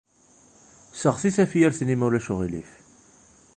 Seɣti tafyirt-nni ma ulac aɣilif.